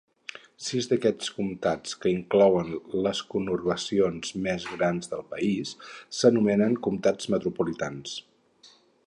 Sis d'aquests comtats, que inclouen les conurbacions més grans del país, s'anomenen comtats metropolitans.